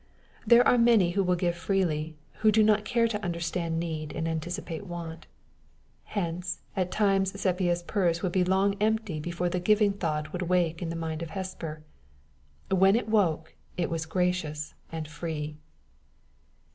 There are many who will give freely, who do not care to understand need and anticipate want. Hence at times Sepia's purse would be long empty before the giving thought would wake in the mind of Hesper. When it woke, it was gracious and free.